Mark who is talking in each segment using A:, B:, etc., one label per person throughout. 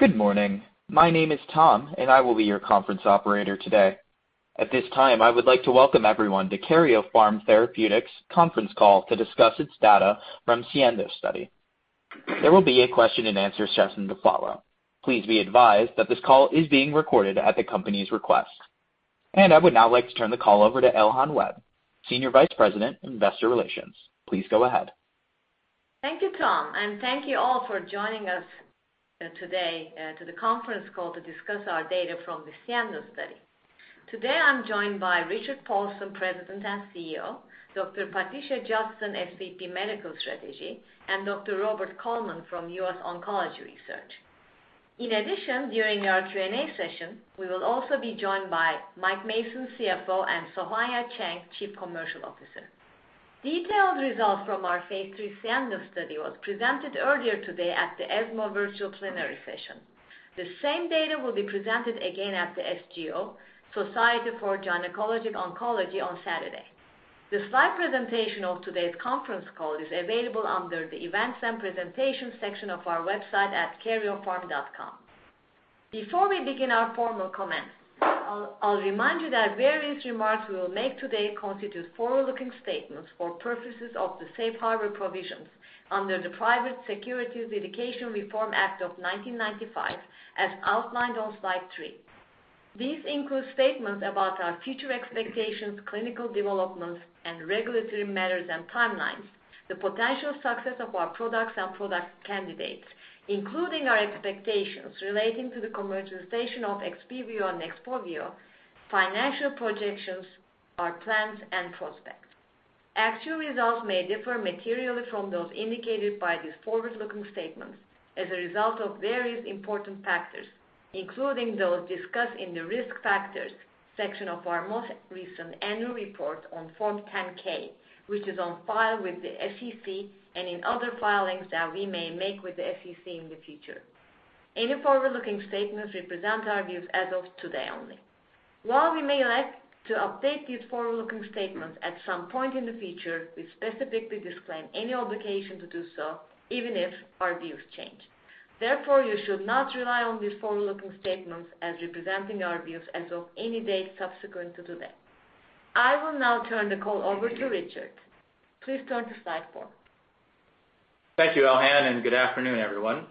A: Good morning. My name is Tom, and I will be your conference operator today. At this time, I would like to welcome everyone to Karyopharm Therapeutics conference call to discuss its data from SIENDO study. There will be a question-and-answer session to follow. Please be advised that this call is being recorded at the company's request. I would now like to turn the call over to Elhan Webb, Senior Vice President, Investor Relations. Please go ahead.
B: Thank you, Tom, and thank you all for joining us today to the conference call to discuss our data from the SIENDO study. Today I'm joined by Richard Paulson, President and CEO, Dr. Patricia Judson, SVP, Medical Strategy, and Dr. Robert L. Coleman from U.S. Oncology Research. In addition, during our Q&A session, we will also be joined by Michael Mason, CFO, and Sohanya Cheng, Chief Commercial Officer. Detailed results from our phase III SIENDO study was presented earlier today at the ESMO Virtual Plenary Session. The same data will be presented again at the SGO, Society of Gynecologic Oncology, on Saturday. The slide presentation of today's conference call is available under the Events and Presentations section of our website at karyopharm.com. Before we begin our formal comments, I'll remind you that various remarks we will make today constitute forward-looking statements for purposes of the safe harbor provisions under the Private Securities Litigation Reform Act of 1995, as outlined on slide three. These include statements about our future expectations, clinical developments, and regulatory matters and timelines, the potential success of our products and product candidates, including our expectations relating to the commercialization of XPOVIO and NEXPOVIO, financial projections, our plans and prospects. Actual results may differ materially from those indicated by these forward-looking statements as a result of various important factors, including those discussed in the Risk Factors section of our most recent annual report on Form 10-K, which is on file with the SEC and in other filings that we may make with the SEC in the future. Any forward-looking statements represent our views as of today only. While we may elect to update these forward-looking statements at some point in the future, we specifically disclaim any obligation to do so, even if our views change. Therefore, you should not rely on these forward-looking statements as representing our views as of any date subsequent to today. I will now turn the call over to Richard. Please turn to slide four.
C: Thank you, Elhan, and good afternoon, everyone.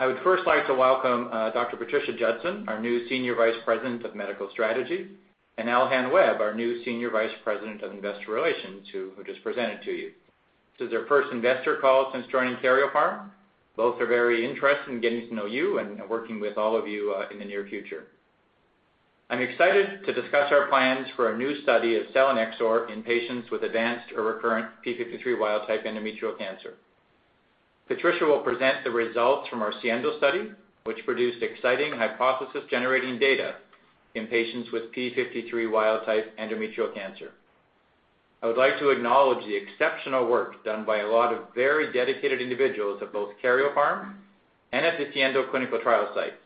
C: I would first like to welcome Dr. Patricia Judson, our new Senior Vice President of Medical Strategy, and Elhan Webb, our new Senior Vice President of Investor Relations, who just presented to you. This is their first investor call since joining Karyopharm. Both are very interested in getting to know you and working with all of you in the near future. I'm excited to discuss our plans for a new study of selinexor in patients with advanced or recurrent p53 wild-type endometrial cancer. Patricia will present the results from our SIENDO study, which produced exciting hypothesis-generating data in patients with p53 wild-type endometrial cancer. I would like to acknowledge the exceptional work done by a lot of very dedicated individuals at both Karyopharm and at the SIENDO clinical trial sites.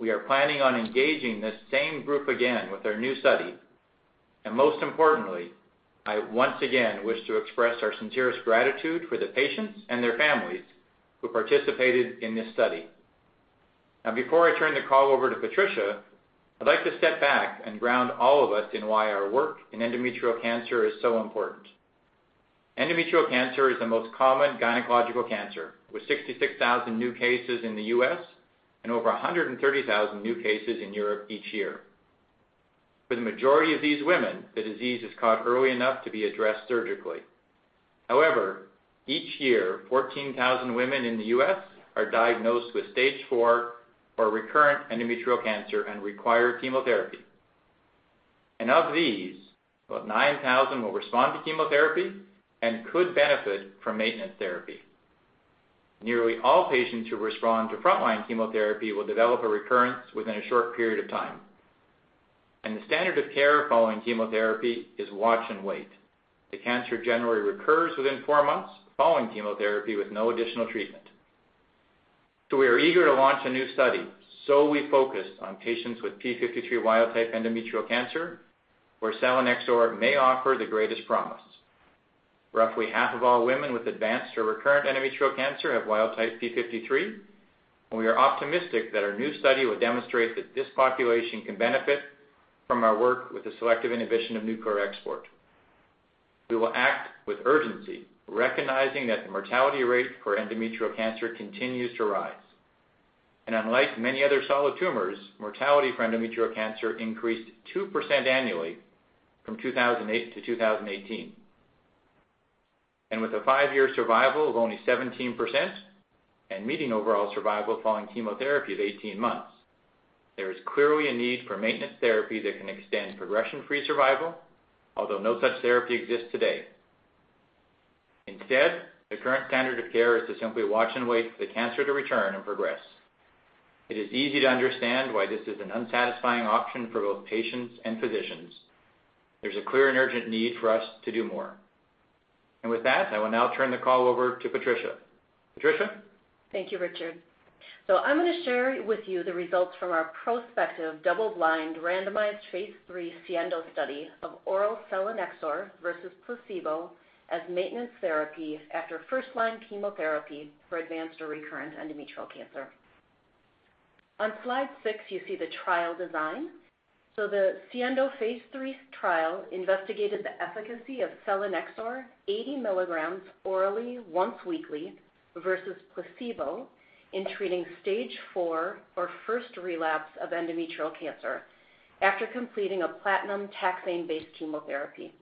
C: We are planning on engaging this same group again with our new study, and most importantly, I once again wish to express our sincerest gratitude for the patients and their families who participated in this study. Now, before I turn the call over to Patricia, I'd like to step back and ground all of us in why our work in endometrial cancer is so important. Endometrial cancer is the most common gynecological cancer, with 66,000 new cases in the U.S. and over 130,000 new cases in Europe each year. For the majority of these women, the disease is caught early enough to be addressed surgically. However, each year, 14,000 women in the U.S. are diagnosed with stage four or recurrent endometrial cancer and require chemotherapy. Of these, about 9,000 will respond to chemotherapy and could benefit from maintenance therapy. Nearly all patients who respond to frontline chemotherapy will develop a recurrence within a short period of time. The standard of care following chemotherapy is watch and wait. The cancer generally recurs within four months following chemotherapy with no additional treatment. We are eager to launch a new study, so we focus on patients with p53 wild-type endometrial cancer, where selinexor may offer the greatest promise. Roughly half of all women with advanced or recurrent endometrial cancer have wild type p53. We are optimistic that our new study will demonstrate that this population can benefit from our work with the selective inhibition of nuclear export. We will act with urgency, recognizing that the mortality rate for endometrial cancer continues to rise. Unlike many other solid tumors, mortality for endometrial cancer increased 2% annually from 2008 to 2018. With a five-year survival of only 17% and median overall survival following chemotherapy of 18 months, there is clearly a need for maintenance therapy that can extend progression-free survival, although no such therapy exists today. Instead, the current standard of care is to simply watch and wait for the cancer to return and progress. It is easy to understand why this is an unsatisfying option for both patients and physicians. There's a clear and urgent need for us to do more. With that, I will now turn the call over to Patricia. Patricia?
D: Thank you, Richard. I'm gonna share with you the results from our prospective double-blind randomized phase III SIENDO study of oral selinexor versus placebo as maintenance therapy after first-line chemotherapy for advanced or recurrent endometrial cancer. On slide six, you see the trial design. The SIENDO phase III trial investigated the efficacy of selinexor 80 mg orally once weekly versus placebo in treating stage IV or first relapse of endometrial cancer after completing a platinum taxane-based chemotherapy.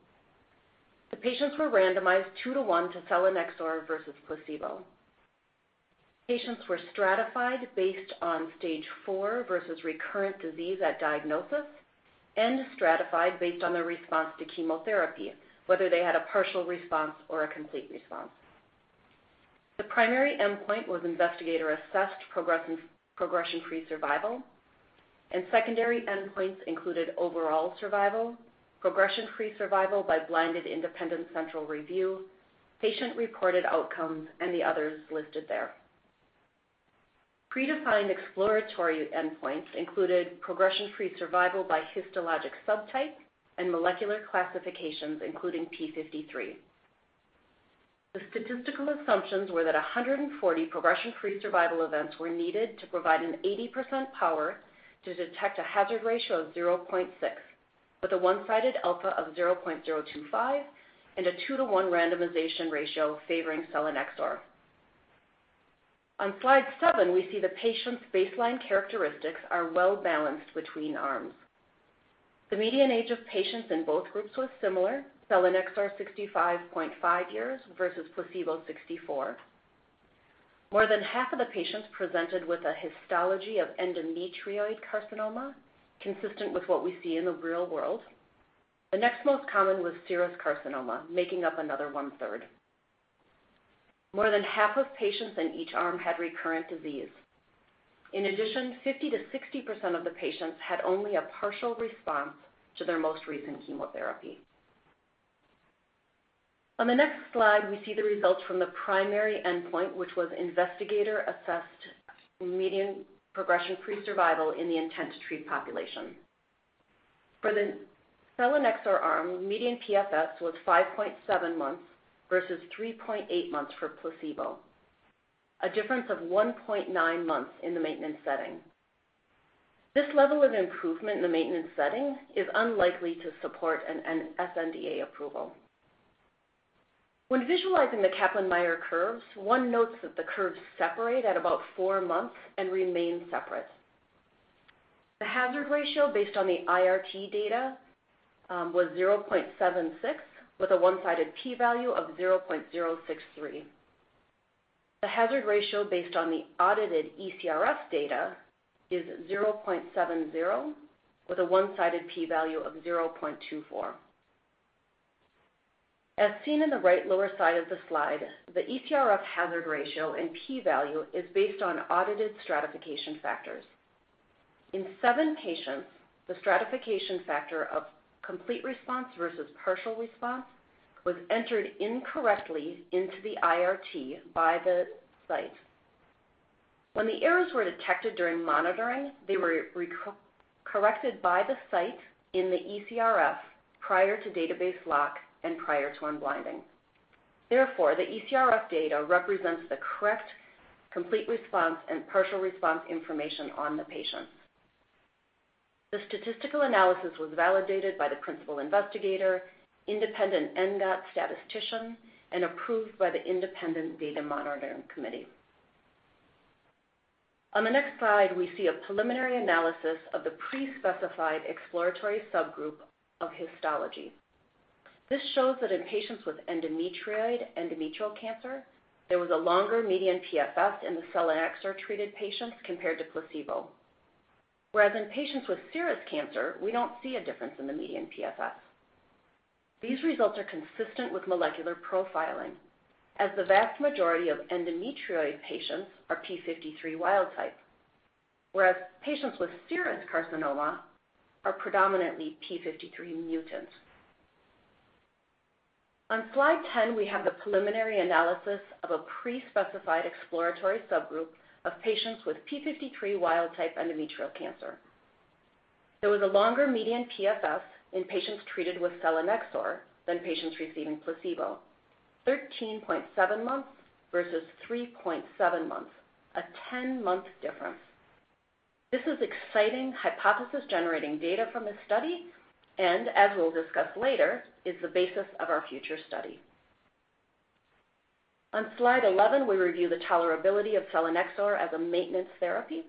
D: The patients were randomized 2:1 to selinexor versus placebo. Patients were stratified based on stage IV versus recurrent disease at diagnosis and stratified based on their response to chemotherapy, whether they had a partial response or a complete response. The primary endpoint was investigator-assessed progression-free survival, and secondary endpoints included overall survival, progression-free survival by blinded independent central review, patient-reported outcomes, and the others listed there. Predefined exploratory endpoints included progression-free survival by histologic subtype and molecular classifications, including p53. The statistical assumptions were that 140 progression-free survival events were needed to provide an 80% power to detect a hazard ratio of 0.6, with a one-sided alpha of 0.025 and a 2:1 randomization ratio favoring selinexor. On slide seven, we see the patients' baseline characteristics are well-balanced between arms. The median age of patients in both groups was similar, selinexor 65.5 years versus placebo 64. More than half of the patients presented with a histology of endometrioid carcinoma, consistent with what we see in the real world. The next most common was serous carcinoma, making up another one-third. More than half of patients in each arm had recurrent disease. In addition, 50%-60% of the patients had only a partial response to their most recent chemotherapy. On the next slide, we see the results from the primary endpoint, which was investigator-assessed median progression-free survival in the intent-to-treat population. For the selinexor arm, median PFS was 5.7 months versus 3.8 months for placebo. A difference of 1.9 months in the maintenance setting. This level of improvement in the maintenance setting is unlikely to support an sNDA approval. When visualizing the Kaplan-Meier curves, one notes that the curves separate at about four months and remain separate. The hazard ratio based on the IRT data was 0.76, with a one-sided p-value of 0.063. The hazard ratio based on the audited eCRF data is 0.70, with a one-sided p-value of 0.24. As seen in the right lower side of the slide, the eCRF hazard ratio and p-value is based on audited stratification factors. In seven patients, the stratification factor of complete response versus partial response was entered incorrectly into the IRT by the site. When the errors were detected during monitoring, they were re-corrected by the site in the eCRF prior to database lock and prior to unblinding. Therefore, the eCRF data represents the correct complete response and partial response information on the patients. The statistical analysis was validated by the principal investigator, independent endpoint statistician, and approved by the independent data monitoring committee. On the next slide, we see a preliminary analysis of the pre-specified exploratory subgroup of histology. This shows that in patients with endometrioid endometrial cancer, there was a longer median PFS in the selinexor-treated patients compared to placebo. Whereas in patients with serous cancer, we don't see a difference in the median PFS. These results are consistent with molecular profiling, as the vast majority of endometrioid patients are p53 wild type, whereas patients with serous carcinoma are predominantly p53 mutant. On slide 10, we have the preliminary analysis of a pre-specified exploratory subgroup of patients with p53 wild-type endometrial cancer. There was a longer median PFS in patients treated with selinexor than patients receiving placebo, 13.7 months versus 3.7 months, a 10-month difference. This is exciting hypothesis-generating data from this study and, as we'll discuss later, is the basis of our future study. On slide 11, we review the tolerability of selinexor as a maintenance therapy.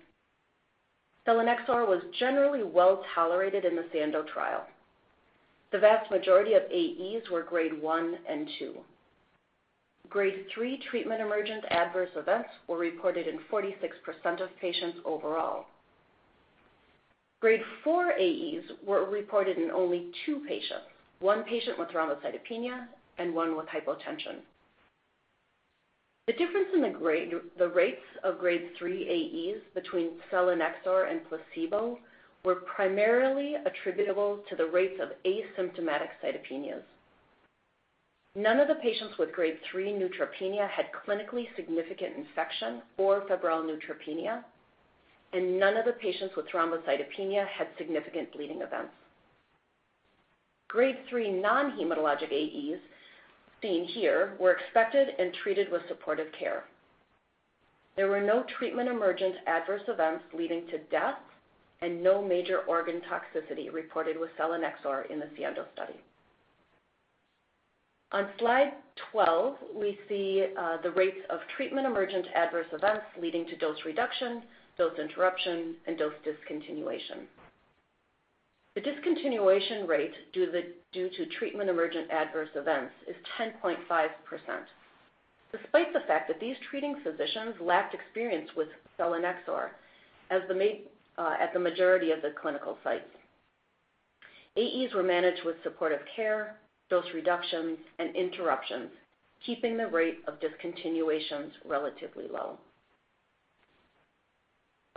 D: Selinexor was generally well-tolerated in the SIENDO trial. The vast majority of AEs were grade one and two. Grade three treatment emergent adverse events were reported in 46% of patients overall. Grade four AEs were reported in only two patients, one patient with thrombocytopenia and one with hypotension. The difference in the rates of grade three AEs between selinexor and placebo were primarily attributable to the rates of asymptomatic cytopenias. None of the patients with grade three neutropenia had clinically significant infection or febrile neutropenia, and none of the patients with thrombocytopenia had significant bleeding events. Grade three non-hematologic AEs seen here were expected and treated with supportive care. There were no treatment emergent adverse events leading to death and no major organ toxicity reported with selinexor in the SIENDO study. On slide 12, we see the rates of treatment emergent adverse events leading to dose reduction, dose interruption, and dose discontinuation. The discontinuation rate due to treatment emergent adverse events is 10.5%, despite the fact that these treating physicians lacked experience with selinexor at the majority of the clinical sites. AEs were managed with supportive care, dose reductions and interruptions, keeping the rate of discontinuations relatively low.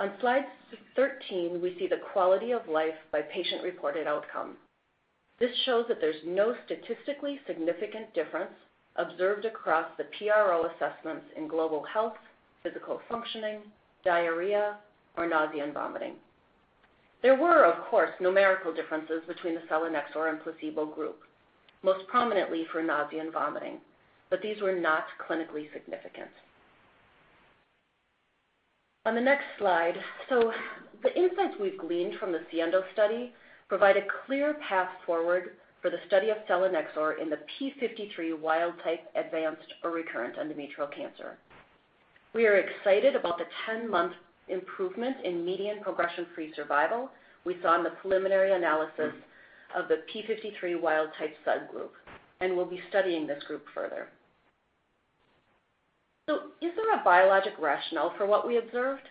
D: On slide 13, we see the quality of life by patient-reported outcome. This shows that there's no statistically significant difference observed across the PRO assessments in global health, physical functioning, diarrhea, or nausea and vomiting. There were, of course, numerical differences between the selinexor and placebo group, most prominently for nausea and vomiting, but these were not clinically significant. On the next slide, the insights we've gleaned from the SIENDO study provide a clear path forward for the study of selinexor in the p53 wild-type advanced or recurrent endometrial cancer. We are excited about the 10-month improvement in median progression-free survival we saw in the preliminary analysis of the p53 wild-type subgroup, and we'll be studying this group further. Is there a biologic rationale for what we observed?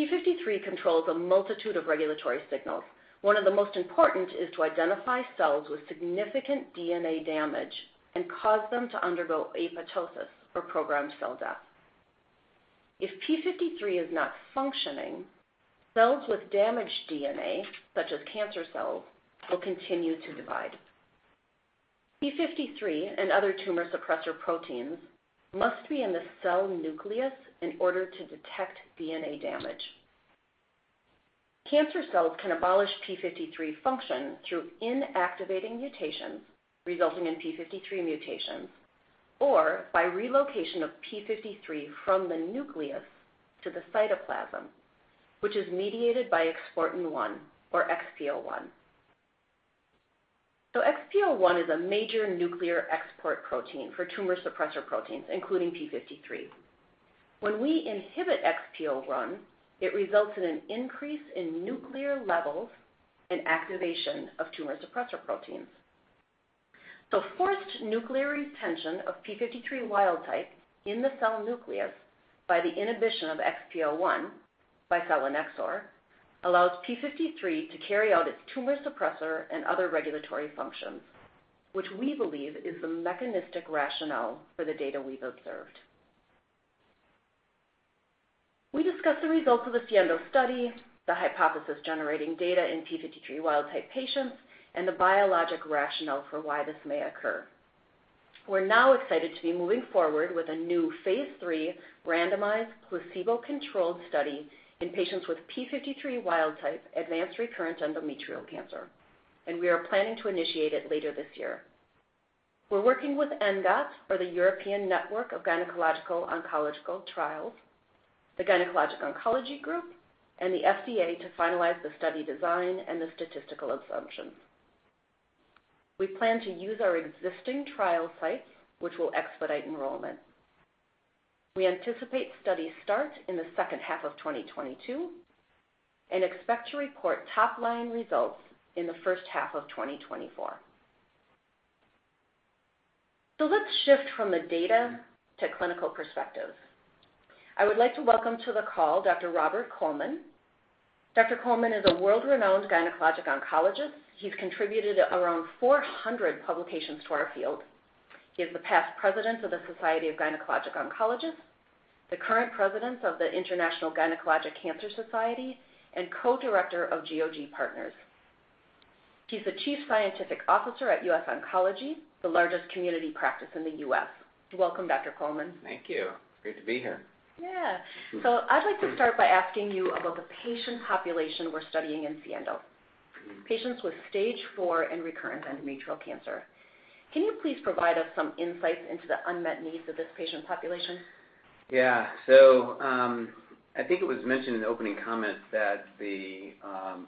D: p53 controls a multitude of regulatory signals. One of the most important is to identify cells with significant DNA damage and cause them to undergo apoptosis or programmed cell death. If p53 is not functioning, cells with damaged DNA, such as cancer cells, will continue to divide. p53 and other tumor suppressor proteins must be in the cell nucleus in order to detect DNA damage. Cancer cells can abolish p53 function through inactivating mutations, resulting in p53 mutations, or by relocation of p53 from the nucleus to the cytoplasm, which is mediated by Exportin 1, or XPO1. XPO1 is a major nuclear export protein for tumor suppressor proteins, including p53. When we inhibit XPO1, it results in an increase in nuclear levels and activation of tumor suppressor proteins. Forced nuclear retention of p53 wild-type in the cell nucleus by the inhibition of XPO1 by selinexor allows p53 to carry out its tumor suppressor and other regulatory functions, which we believe is the mechanistic rationale for the data we've observed. We discussed the results of the SIENDO study, the hypothesis generating data in p53 wild-type patients, and the biologic rationale for why this may occur. We're now excited to be moving forward with a new phase III randomized placebo-controlled study in patients with p53 wild-type advanced recurrent endometrial cancer, and we are planning to initiate it later this year. We're working with ENGOT, or the European Network of Gynecological Oncological Trials, the Gynecologic Oncology Group, and the FDA to finalize the study design and the statistical assumptions. We plan to use our existing trial sites, which will expedite enrollment. We anticipate study start in the second half of 2022 and expect to report top-line results in the first half of 2024. Let's shift from the data to clinical perspective. I would like to welcome to the call Dr. Robert Coleman. Dr. Coleman is a world-renowned gynecologic oncologist. He's contributed around 400 publications to our field. He is the past president of the Society of Gynecologic Oncology, the current president of the International Gynecologic Cancer Society, and co-director of GOG Partners. He's the Chief Scientific Officer at U.S. Oncology, the largest community practice in the U.S. Welcome, Dr. Coleman.
E: Thank you. Great to be here.
D: Yeah. I'd like to start by asking you about the patient population we're studying in SIENDO, patients with stage four and recurrent endometrial cancer. Can you please provide us some insights into the unmet needs of this patient population?
E: I think it was mentioned in the opening comments that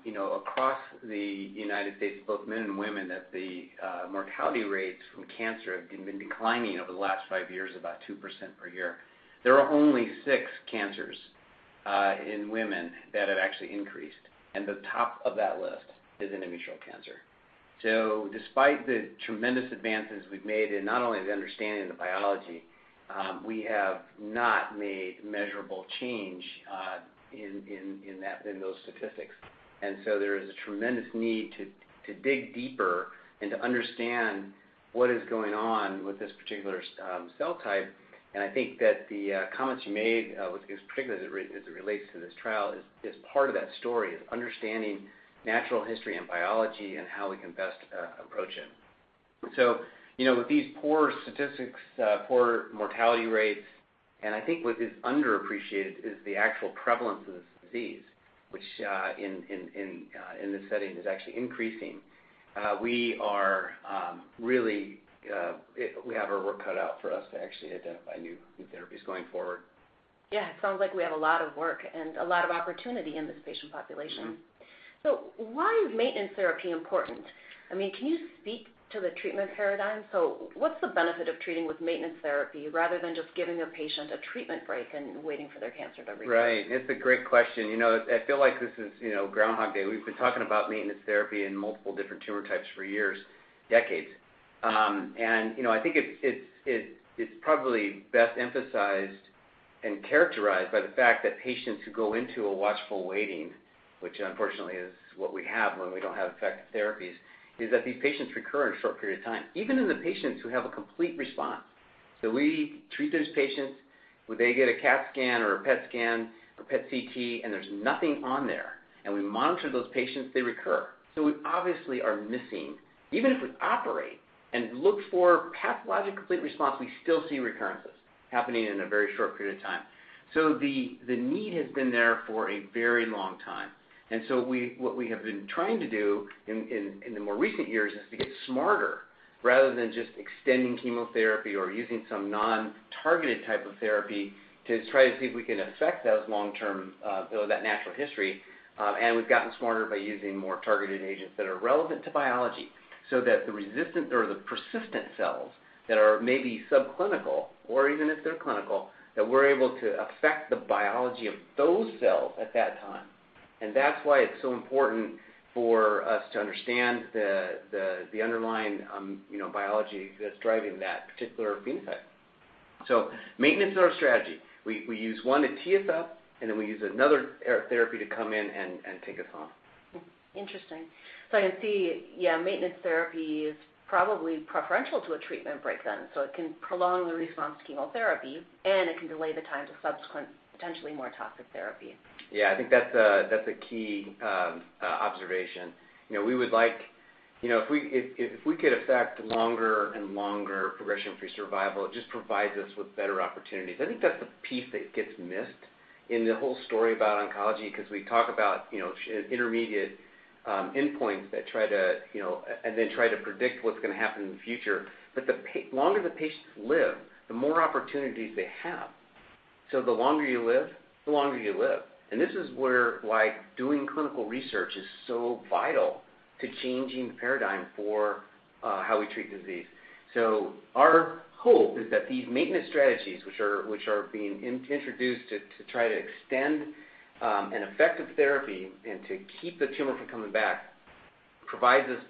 E: across the United States, both men and women, that the mortality rates from cancer have been declining over the last five years, about 2% per year. There are only six cancers in women that have actually increased, and the top of that list is endometrial cancer. Despite the tremendous advances we've made in not only the understanding of the biology, we have not made measurable change in those statistics. There is a tremendous need to dig deeper and to understand what is going on in particular cell type. I think that the comments you made was particularly as it relates to this trial is part of that story, is understanding natural history and biology and how we can best approach it. You know, with these poor statistics, poor mortality rates, and I think what is underappreciated is the actual prevalence of this disease, which in this setting is actually increasing. We have our work cut out for us to actually identify new therapies going forward.
D: Yeah. It sounds like we have a lot of work and a lot of opportunity in this patient population.
E: Mm-hmm.
D: Why is maintenance therapy important? I mean, can you speak to the treatment paradigm? What's the benefit of treating with maintenance therapy rather than just giving a patient a treatment break and waiting for their cancer to recur?
E: Right. It's a great question. You know, I feel like this is, you know, Groundhog Day. We've been talking about maintenance therapy in multiple different tumor types for years, decades. You know, I think it's probably best emphasized and characterized by the fact that patients who go into a watchful waiting, which unfortunately is what we have when we don't have effective therapies, is that these patients recur in a short period of time, even in the patients who have a complete response. We treat those patients where they get a CAT scan or a PET scan or PET CT, and there's nothing on there, and we monitor those patients, they recur. We obviously are missing. Even if we operate and look for pathologic complete response, we still see recurrences happening in a very short period of time. The need has been there for a very long time. What we have been trying to do in the more recent years is to get smarter rather than just extending chemotherapy or using some non-targeted type of therapy to try to see if we can affect those long-term, you know, that natural history. We've gotten smarter by using more targeted agents that are relevant to biology, so that the resistant or the persistent cells that are maybe subclinical or even if they're clinical, that we're able to affect the biology of those cells at that time. That's why it's so important for us to understand the underlying biology that's driving that particular phenotype. Maintenance is our strategy. We use one to tee us up, and then we use another therapy to come in and take us home.
D: Interesting. I see, yeah, maintenance therapy is probably preferential to a treatment break then. It can prolong the response to chemotherapy, and it can delay the time to subsequent potentially more toxic therapy.
E: I think that's a key observation. You know, we would like if we could affect longer and longer progression-free survival. It just provides us with better opportunities. I think that's a piece that gets missed in the whole story about oncology cause we talk about, you know, intermediate endpoints that try to, you know, and then try to predict what's gonna happen in the future. The longer the patients live, the more opportunities they have. The longer you live, the longer you live. This is where, like, doing clinical research is so vital to changing the paradigm for how we treat disease. Our hope is that these maintenance strategies, which are being introduced to try to extend an effective therapy and to keep the tumor from coming back, provides us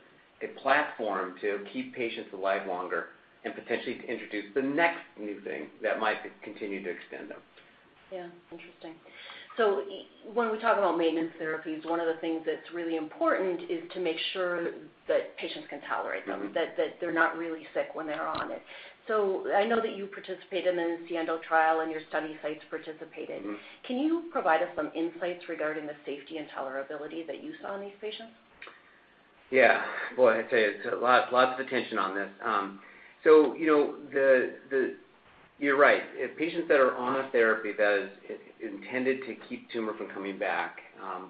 E: a platform to keep patients alive longer and potentially to introduce the next new thing that might continue to extend them.
D: Yeah. Interesting. When we talk about maintenance therapies, one of the things that's really important is to make sure that patients can tolerate them.
E: Mm-hmm.
D: That they're not really sick when they're on it. I know that you participated in the SIENDO trial, and your study sites participated.
E: Mm-hmm.
D: Can you provide us some insights regarding the safety and tolerability that you saw in these patients?
E: Boy, I'd say it's a lot of attention on this. You're right. If patients that are on a therapy that is intended to keep tumor from coming back,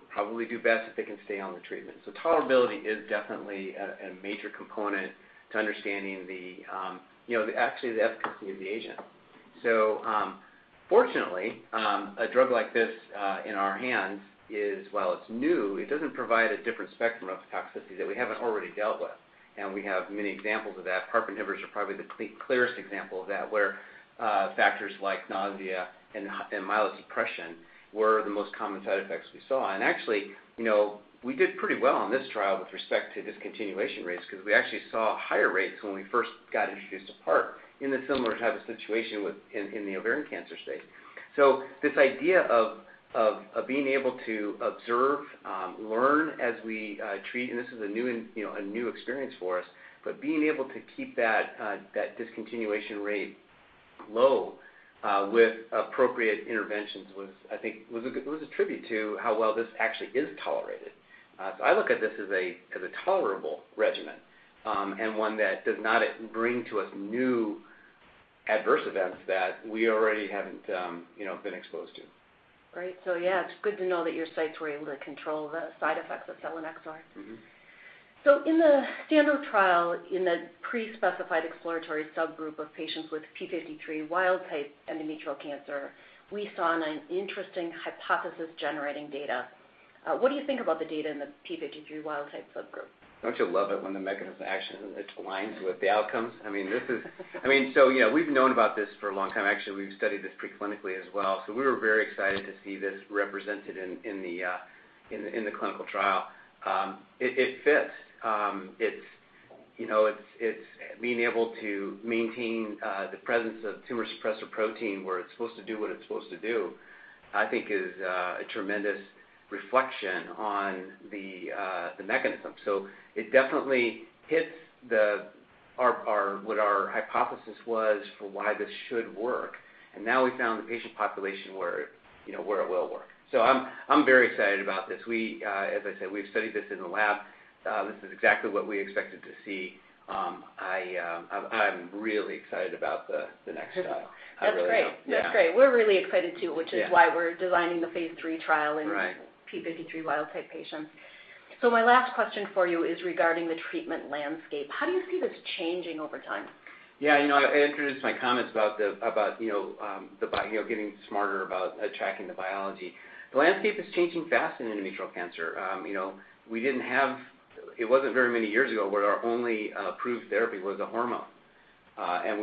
E: probably do best if they can stay on the treatment. Tolerability is definitely a major component to understanding the actual efficacy of the agent. Fortunately, a drug like this, in our hands is, while it's new, it doesn't provide a different spectrum of toxicity that we haven't already dealt with, and we have many examples of that. PARP inhibitors are probably the clearest example of that, where factors like nausea and hematologic suppression were the most common side effects we saw. Actually, you know, we did pretty well on this trial with respect to discontinuation rates 'cause we actually saw higher rates when we first got introduced to PARP in a similar type of situation in the ovarian cancer space. This idea of being able to observe, learn as we treat, and this is a new, you know, a new experience for us, but being able to keep that discontinuation rate low with appropriate interventions was, I think, a good tribute to how well this actually is tolerated. So, I look at this as a tolerable regimen, and one that does not bring to us new adverse events that we already haven't, you know, been exposed to.
D: Great. Yeah, it's good to know that your sites were able to control the side effects of selinexor.
E: Mm-hmm.
D: In the SIENDO trial, in the pre-specified exploratory subgroup of patients with p53 wild-type endometrial cancer, we saw an interesting hypothesis generating data. What do you think about the data in the p53 wild-type subgroup?
E: Don't you love it when the mechanism of action, it aligns with the outcomes? I mean, so, you know, we've known about this for a long time. Actually, we've studied this pre-clinically as well. We were very excited to see this represented in the clinical trial. It fits. It's, you know, it's being able to maintain the presence of tumor suppressor protein where it's supposed to do what it's supposed to do, I think is a tremendous reflection on the mechanism. It definitely hits what our hypothesis was for why this should work. Now we found the patient population where, you know, it will work. I'm very excited about this. As I said, we've studied this in the lab. This is exactly what we expected to see. I'm really excited about the next step. I really am.
D: That's great.
E: Yeah.
D: That's great. We're really excited too.
E: Yeah.
D: which is why we're designing the phase III trial in
E: Right.
D: p53 wild-type patients. My last question for you is regarding the treatment landscape. How do you see this changing over time?
E: You know, I introduced my comments about you know, getting smarter about tracking the biology. The landscape is changing fast in endometrial cancer. It wasn't very many years ago where our only approved therapy was a hormone.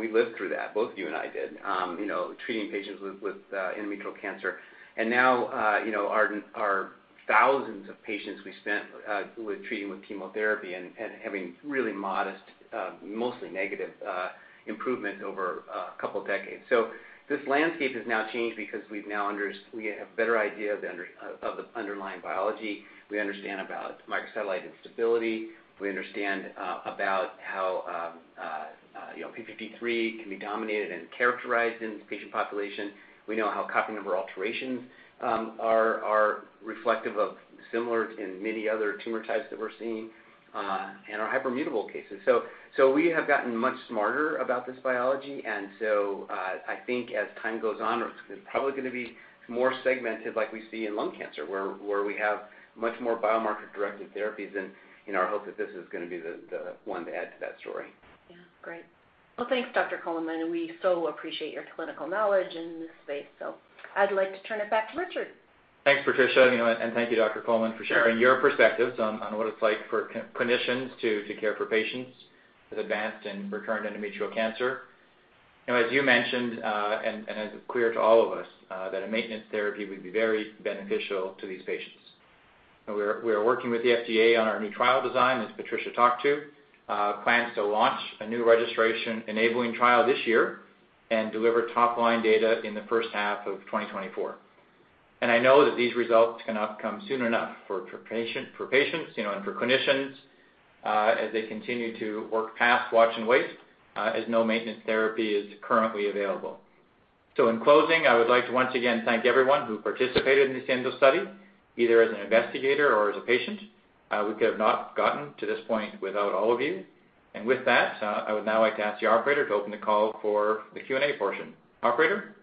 E: We lived through that, both you and I did, you know, treating patients with endometrial cancer. Now, you know, our thousands of patients we spent with treating with chemotherapy and having really modest, mostly negative, improvement over a couple decades. This landscape has now changed because we have a better idea of the underlying biology. We understand about microsatellite instability. We understand about how you know, p53 can be dominated and characterized in this patient population. We know how copy number alterations are reflective of similar in many other tumor types that we're seeing and are hypermutable cases. We have gotten much smarter about this biology. I think as time goes on, it's probably gonna be more segmented like we see in lung cancer, where we have much more biomarker-directed therapies and you know, our hope that this is gonna be the one to add to that story.
D: Yeah. Great. Well, thanks, Dr. Coleman. We so appreciate your clinical knowledge in this space. I'd like to turn it back to Richard.
C: Thanks, Patricia. You know, and thank you, Dr. Coleman.
E: Sure.
C: For sharing your perspectives on what it's like for clinicians to care for patients with advanced and recurrent endometrial cancer. You know, as you mentioned, and as is clear to all of us, that a maintenance therapy would be very beneficial to these patients. We are working with the FDA on our new trial design, as Patricia talked about plans to launch a new registration-enabling trial this year and deliver top-line data in the first half of 2024. I know that these results cannot come soon enough for patients, you know, and for clinicians, as they continue to work past watch and wait, as no maintenance therapy is currently available. In closing, I would like to once again thank everyone who participated in the SIENDO study, either as an investigator or as a patient. We could have not gotten to this point without all of you. With that, I would now like to ask the operator to open the call for the Q&A portion. Operator?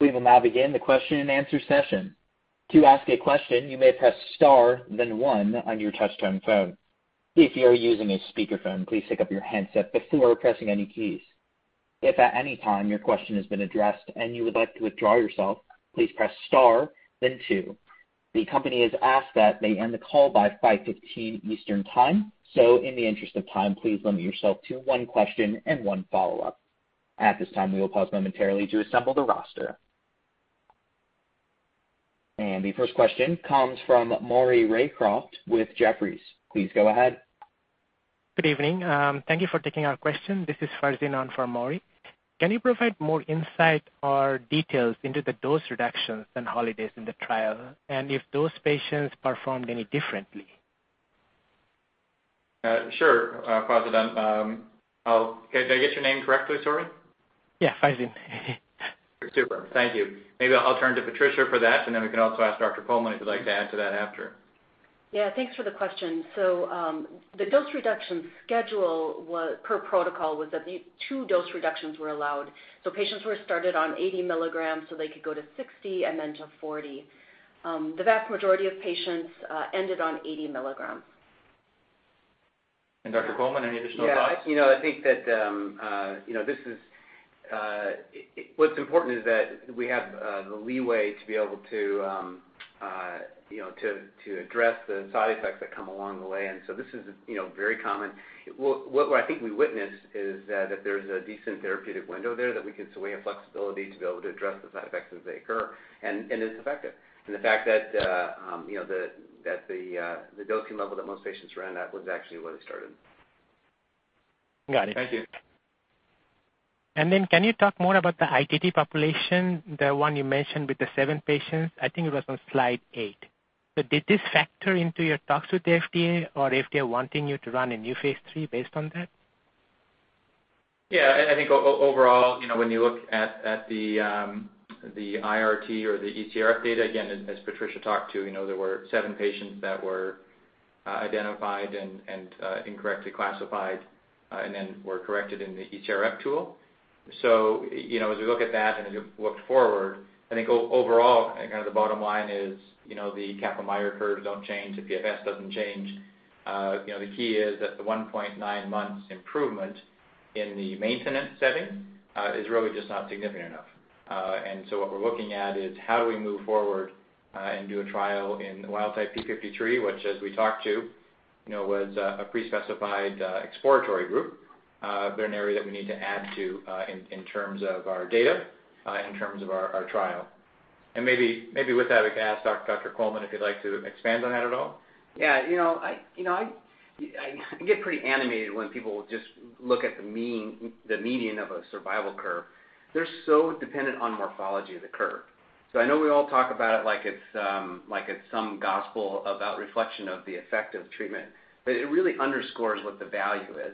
A: We will now begin the question-and-answer session. To ask a question, you may press star, then one on your touchtone phone. If you are using a speakerphone, please pick up your handset before pressing any keys. If at any time your question has been addressed and you would like to withdraw yourself, please press star then two. The company has asked that they end the call by 5:15 P.M. Eastern Time. In the interest of time, please limit yourself to one question and one follow-up. At this time, we will pause momentarily to assemble the roster. The first question comes from Maury Raycroft with Jefferies. Please go ahead.
F: Good evening. Thank you for taking our question. This is [Farsin] in for Maury. Can you provide more insight or details into the dose reductions and holidays in the trial and if those patients performed any differently?
C: Sure, [Farsin]. Okay. Did I get your name correctly, sorry?
F: Yeah. [Farsin].
C: Super. Thank you. Maybe I'll turn to Patricia for that, and then we can also ask Dr. Coleman if he'd like to add to that after.
D: Thanks for the question. The dose reduction schedule per protocol was that the two dose reductions were allowed. Patients were started on 80 mg, so they could go to 60 and then to 40. The vast majority of patients ended on 80 mg.
C: Dr. Coleman, any additional thoughts?
E: Yeah. You know, I think that you know this is what's important is that we have the leeway to be able to you know to address the side effects that come along the way. This is you know very common. What I think we witnessed is that there's a decent therapeutic window there, so we have flexibility to be able to address the side effects as they occur, and it's effective. The fact that you know the dosing level that most patients were on, that was actually where they started.
F: Got it.
C: Thank you.
F: Can you talk more about the ITT population, the one you mentioned with the seven patients? I think it was on slide eight. Did this factor into your talks with the FDA or FDA wanting you to run a new phase III based on that?
C: I think overall, you know, when you look at the IRT or the eCRF data, again, as Patricia talked about, you know, there were seven patients that were identified and incorrectly classified and then were corrected in the eCRF tool. You know, as we look at that and as we look forward, I think overall, kind of the bottom line is, you know, the Kaplan-Meier curves don't change, the PFS doesn't change. You know, the key is that the 1.9 months improvement in the maintenance setting is really just not significant enough. What we're looking at is how do we move forward and do a trial in wild type p53, which as we talked to, you know, was a pre-specified exploratory group, but an area that we need to add to in terms of our data in terms of our trial. Maybe with that, I could ask Dr. Coleman if he'd like to expand on that at all.
E: Yeah. You know, I get pretty animated when people just look at the median of a survival curve. They're so dependent on morphology of the curve. I know we all talk about it like it's some gospel about reflection of the effect of treatment, but it really underscores what the value is.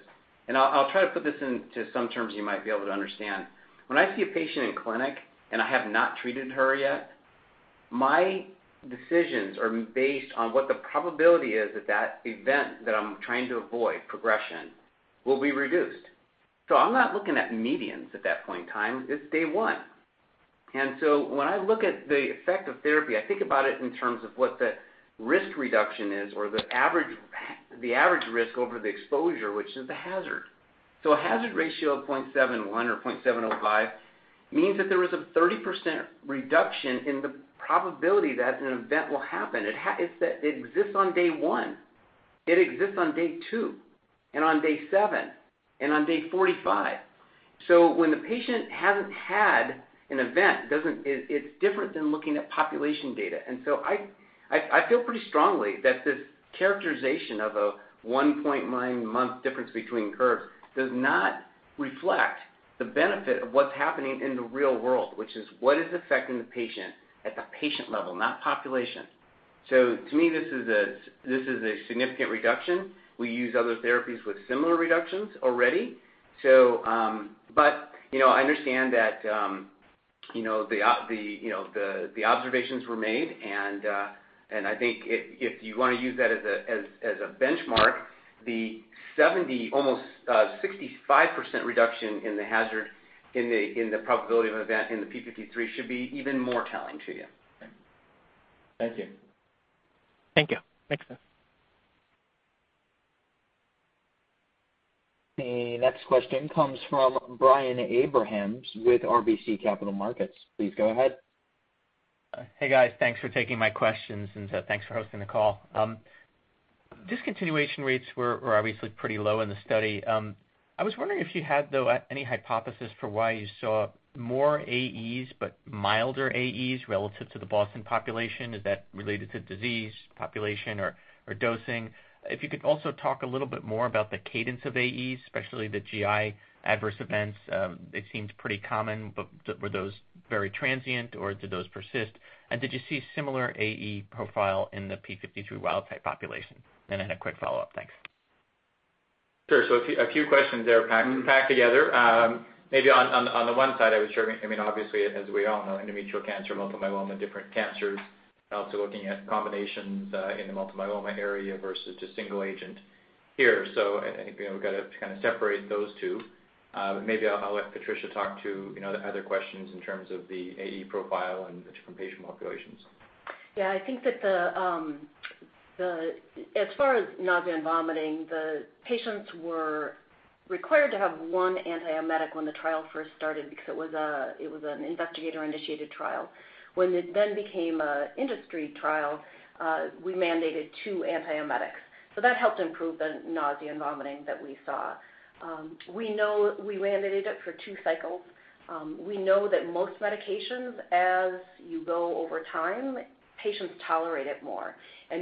E: I'll try to put this into some terms you might be able to understand. When I see a patient in clinic, and I have not treated her yet, my decisions are based on what the probability is that the event that I'm trying to avoid, progression, will be reduced. I'm not looking at medians at that point in time, it's day one. When I look at the effect of therapy, I think about it in terms of what the risk reduction is or the average risk over the exposure, which is the hazard. A hazard ratio of 0.71 or 0.705 means that there is a 30% reduction in the probability that an event will happen. It exists on day one, it exists on day two and on day seven and on day 45. When the patient hasn't had an event, it doesn't, it's different than looking at population data. I feel pretty strongly that this characterization of a 1.9-month difference between curves does not reflect the benefit of what's happening in the real world, which is what is affecting the patient at the patient level, not population. To me, this is a significant reduction. We use other therapies with similar reductions already. I understand that the observations were made, and I think if you wanna use that as a benchmark, the 70, almost 65% reduction in the hazard in the probability of an event in the p53 should be even more telling to you.
C: Thank you.
F: Thank you. Makes sense.
A: The next question comes from Brian Abrahams with RBC Capital Markets. Please go ahead.
G: Hey, guys. Thanks for taking my questions, and thanks for hosting the call. Discontinuation rates were obviously pretty low in the study. I was wondering if you had, though, any hypothesis for why you saw more AEs but milder AEs relative to the BOSTON population. Is that related to disease population or dosing? If you could also talk a little bit more about the cadence of AEs, especially the GI adverse events. It seems pretty common, but were those very transient, or do those persist? Did you see similar AE profile in the p53 wild-type population? A quick follow-up. Thanks.
C: Sure. A few questions there packed together. Maybe on the one side, I would share, I mean, obviously, as we all know, endometrial cancer, multiple myeloma, different cancers, also looking at combinations in the multiple myeloma area versus just single agent here. I, you know, we've got to kind of separate those two. Maybe I'll let Patricia talk to, you know, the other questions in terms of the AE profile and the different patient populations.
D: Yeah. I think that as far as nausea and vomiting, the patients were required to have one antiemetic when the trial first started because it was an investigator-initiated trial. When it then became an industry trial, we mandated two antiemetics, so that helped improve the nausea and vomiting that we saw. We know we mandated it for two cycles. We know that most medications, as you go over time, patients tolerate it more.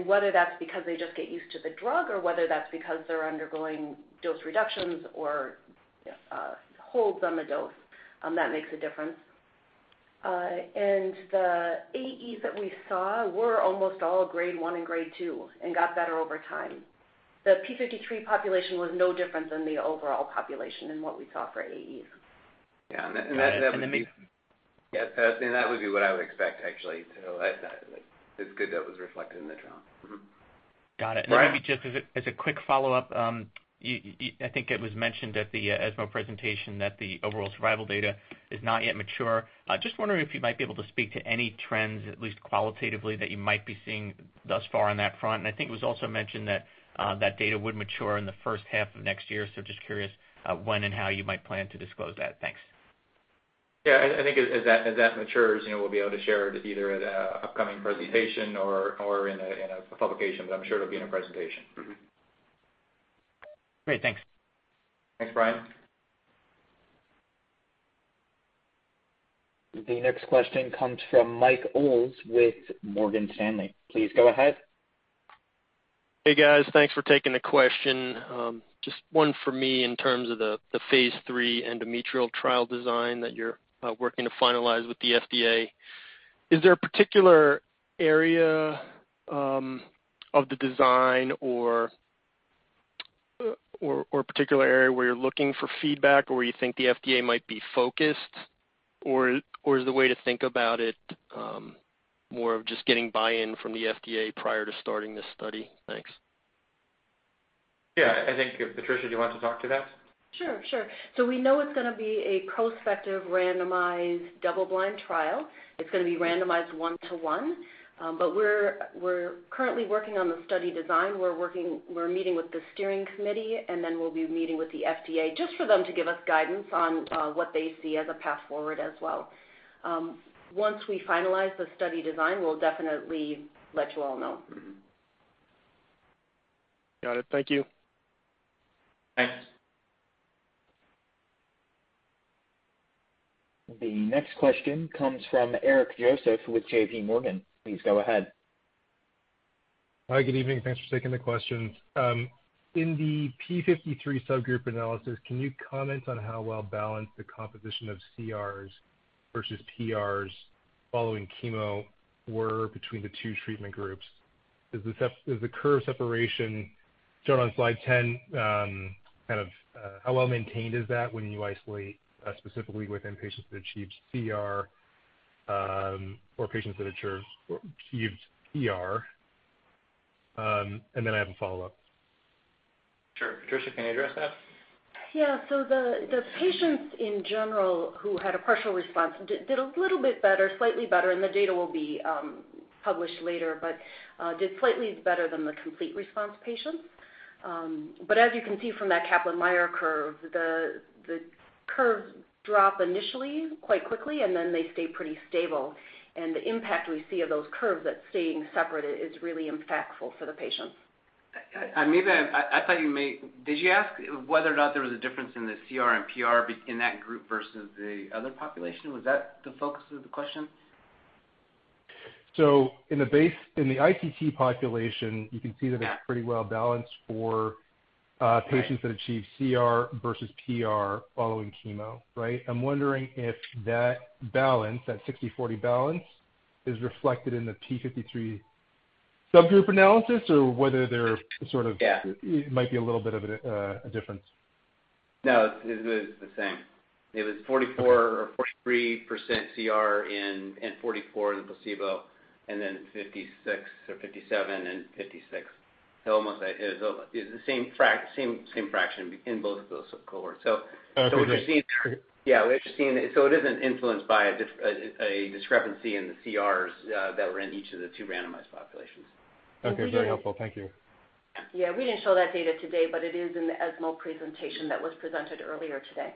D: Whether that's because they just get used to the drug or whether that's because they're undergoing dose reductions or holds on the dose, that makes a difference. The AEs that we saw were almost all grade one and grade two and got better over time. The p53 population was no different than the overall population in what we saw for AEs.
C: Yeah. That would be.
G: Got it.
C: Yeah. That would be what I would expect actually, so it's good that it was reflected in the trial.
G: Got it.
C: Brian?
G: Then maybe just as a quick follow-up, you. I think it was mentioned at the ESMO presentation that the overall survival data is not yet mature. Just wondering if you might be able to speak to any trends, at least qualitatively, that you might be seeing thus far on that front. I think it was also mentioned that that data would mature in the first half of next year. Just curious, when and how you might plan to disclose that. Thanks.
C: Yeah. I think as that matures, you know, we'll be able to share it either at an upcoming presentation or in a publication, but I'm sure it'll be in a presentation. Mm-hmm.
G: Great. Thanks.
C: Thanks, Brian.
A: The next question comes from Mike Ulz with Morgan Stanley. Please go ahead.
H: Hey, guys. Thanks for taking the question. Just one for me in terms of the phase III endometrial trial design that you're working to finalize with the FDA. Is there a particular area of the design or a particular area where you're looking for feedback or where you think the FDA might be focused? Or is the way to think about it more of just getting buy-in from the FDA prior to starting this study? Thanks.
C: Yeah. I think, Patricia, do you want to talk to that?
D: Sure, sure. We know it's gonna be a prospective randomized double-blind trial. It's gonna be randomized 1:1. But we're currently working on the study design. We're meeting with the steering committee, and then we'll be meeting with the FDA just for them to give us guidance on what they see as a path forward as well. Once we finalize the study design, we'll definitely let you all know.
H: Got it. Thank you.
C: Thanks.
A: The next question comes from Eric Joseph with JPMorgan. Please go ahead.
I: Hi, good evening. Thanks for taking the questions. In the p53 subgroup analysis, can you comment on how well-balanced the composition of CRs versus PRs following chemo were between the two treatment groups? Is the curve separation shown on slide 10, kind of, how well-maintained is that when you isolate specifically within patients that achieved CR or patients that achieved PR? I have a follow-up.
C: Sure. Patricia, can you address that?
D: Yeah. The patients in general who had a partial response did a little bit better, slightly better, and the data will be published later, but did slightly better than the complete response patients. As you can see from that Kaplan-Meier curve, the curves drop initially quite quickly, and then they stay pretty stable. The impact we see of those curves that's staying separate is really impactful for the patients.
C: Eric Joseph, I thought you may. Did you ask whether or not there was a difference in the CR and PR in that group versus the other population? Was that the focus of the question?
I: In the ITT population, you can see that it's pretty well-balanced for.
E: Right.
I: Patients that achieved CR versus PR following chemo, right? I'm wondering if that balance, that 60/40 balance, is reflected in the p53 subgroup analysis or whether their sort of.
E: Yeah.
I: It might be a little bit of a difference.
E: No, it's the same. It was 44 or 43% CR in 44 in the placebo and then 56 or 57 and 56. Almost like it was the same fraction in both of those cohorts.
I: Okay. Great
E: We've seen. It isn't influenced by a discrepancy in the CRs that were in each of the two randomized populations.
I: Okay. Very helpful. Thank you.
D: Yeah. We didn't show that data today, but it is in the ESMO presentation that was presented earlier today.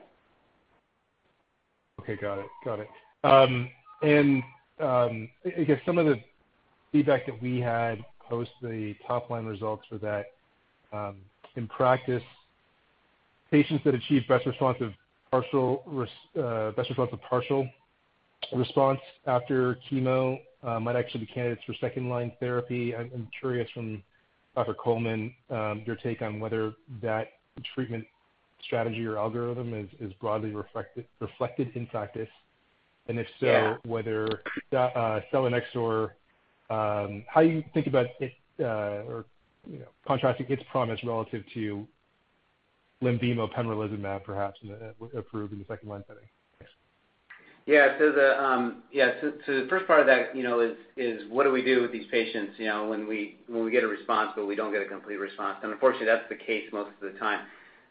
I: Okay. Got it. I guess some of the feedback that we had post the top line results were that in practice, patients that achieve best response of partial response after chemo might actually be candidates for second line therapy. I'm curious from Dr. Coleman your take on whether that treatment strategy or algorithm is broadly reflected in practice, and if so-
E: Yeah.
I: Whether selinexor, how you think about it, or, you know, contrasting its promise relative to Lenvima, pembrolizumab, perhaps approved in the second-line setting. Thanks.
E: The first part of that, you know, is what do we do with these patients, you know, when we get a response, but we don't get a complete response? Unfortunately, that's the case most of the time.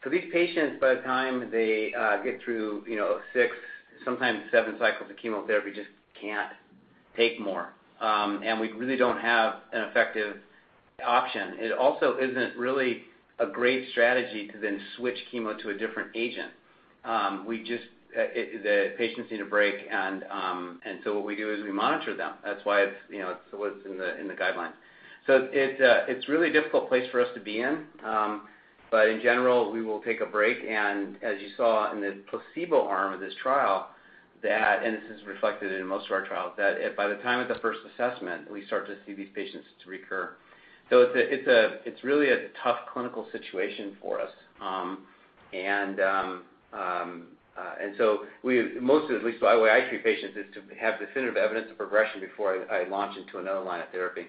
E: These patients, by the time they get through six, sometimes seven cycles of chemotherapy, just can't take more. We really don't have an effective option. It also isn't really a great strategy to then switch chemo to a different agent. The patients need a break and what we do is we monitor them. That's why it was in the guidelines. It's really a difficult place for us to be in. In general, we will take a break, and as you saw in the placebo arm of this trial that, and this is reflected in most of our trials, that if by the time of the first assessment, we start to see these patients recur. It's really a tough clinical situation for us. We mostly, at least the way I treat patients, is to have definitive evidence of progression before I launch into another line of therapy.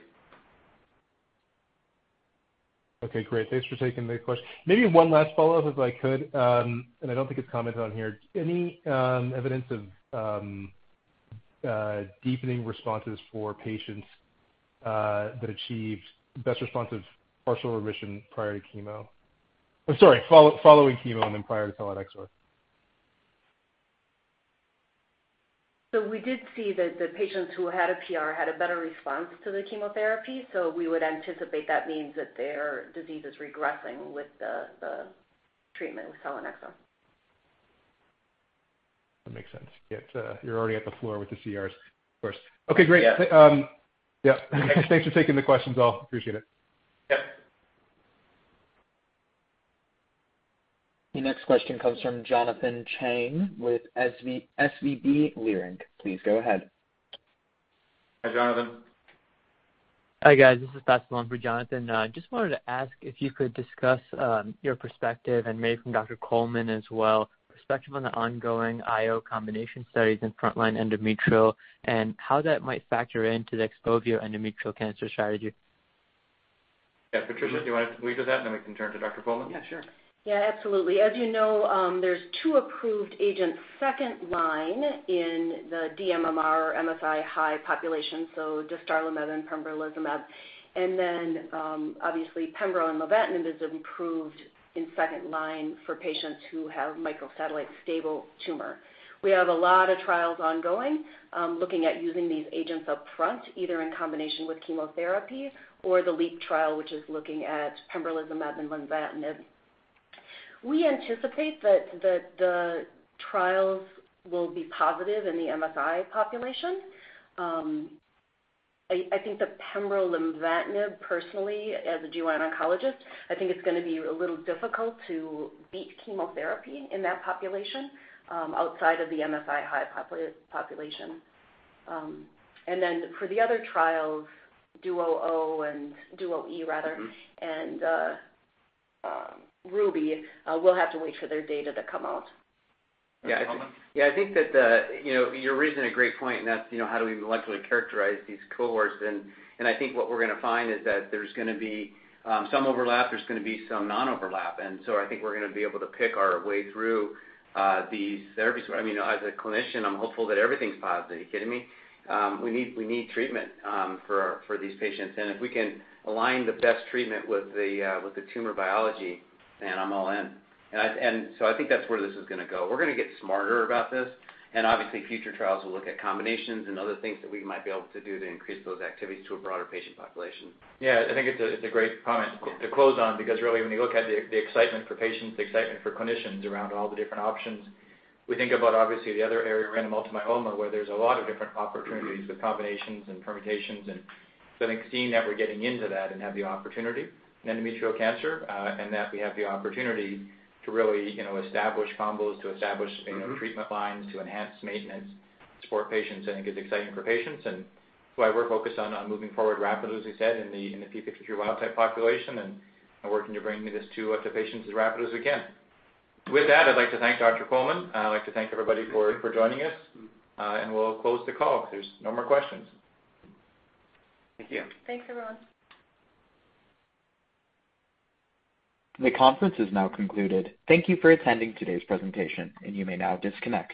I: Okay, great. Thanks for taking the question. Maybe one last follow-up, if I could, and I don't think it's commented on here. Any evidence of deepening responses for patients that achieved best response of partial remission prior to chemo? I'm sorry, following chemo and then prior to selinexor.
D: We did see that the patients who had a PR had a better response to the chemotherapy, so we would anticipate that means that their disease is regressing with the treatment with selinexor.
I: That makes sense. Yeah. It's, you're already at the floor with the CRs. Of course.
E: Yeah.
I: Okay, great. Yeah. Thanks for taking the questions, all. Appreciate it.
E: Yep.
A: The next question comes from Jonathan Chang with SVB Leerink. Please go ahead.
C: Hi, Jonathan.
J: Hi, guys. This is [Pascal] for Jonathan. Just wanted to ask if you could discuss your perspective and maybe from Dr. Coleman as well, perspective on the ongoing IO combination studies in frontline endometrial and how that might factor into the XPOVIO endometrial cancer strategy.
C: Yeah. Patricia, do you wanna lead with that, and then we can turn to Dr. Coleman?
D: Yeah, sure. Yeah, absolutely. As you know, there's two approved agents second line in the dMMR MSI-high population, so dostarlimab and pembrolizumab. Obviously pembro and lenvatinib is approved in second line for patients who have microsatellite stable tumor. We have a lot of trials ongoing, looking at using these agents up front, either in combination with chemotherapy or the LEAP trial, which is looking at pembrolizumab and lenvatinib. We anticipate that the trials will be positive in the MSI population. I think the pembro lenvatinib personally as a GYN oncologist, I think it's gonna be a little difficult to beat chemotherapy in that population, outside of the MSI-high population. For the other trials, DUO-O and DUO-E rather, and RUBY, we'll have to wait for their data to come out.
C: Yeah. Dr. Coleman.
E: I think that you know, you're raising a great point and that's you know, how do we molecularly characterize these cohorts? I think what we're gonna find is that there's gonna be some overlap, there's gonna be some non-overlap, and so I think we're gonna be able to pick our way through these therapies. I mean, as a clinician, I'm hopeful that everything's positive. Are you kidding me? We need treatment for these patients, and if we can align the best treatment with the tumor biology, man, I'm all in. I think that's where this is gonna go. We're gonna get smarter about this, and obviously, future trials will look at combinations and other things that we might be able to do to increase those activities to a broader patient population.
C: Yeah. I think it's a great comment to close on because really when you look at the excitement for patients, the excitement for clinicians around all the different options, we think about obviously the other area in multiple myeloma where there's a lot of different opportunities with combinations and permutations and so I think seeing that we're getting into that and have the opportunity in endometrial cancer, and that we have the opportunity to really, you know, establish combos, to establish, you know, treatment lines, to enhance maintenance, support patients, I think is exciting for patients and why we're focused on moving forward rapidly, as we said, in the p53 wild-type population and working to bring this to patients as rapidly as we can. With that, I'd like to thank Dr. Coleman.
E: I'd like to thank everybody for joining us, and we'll close the call if there's no more questions.
J: Thank you.
D: Thanks, everyone.
A: The conference is now concluded. Thank you for attending today's presentation, and you may now disconnect.